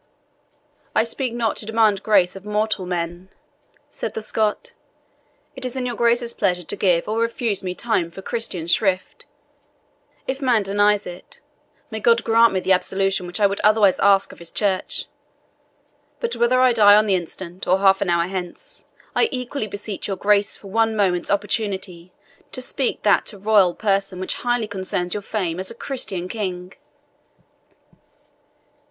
"I speak not to demand grace of mortal man," said the Scot; "it is in your Grace's pleasure to give or refuse me time for Christian shrift if man denies it, may God grant me the absolution which I would otherwise ask of His church! But whether I die on the instant, or half an hour hence, I equally beseech your Grace for one moment's opportunity to speak that to your royal person which highly concerns your fame as a Christian king."